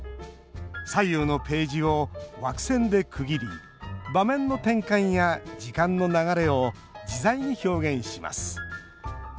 左右のページを枠線で区切り場面の転換や時間の流れを自在に表現します。